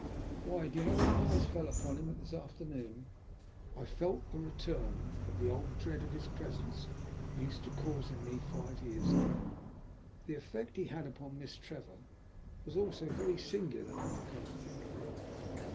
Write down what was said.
Why, do you know when my eyes fell upon him this afternoon I felt a return of the old dread his presence used to cause in me five years ago! The effect he had upon Miss Trevor was also very singular, when you come to think of it."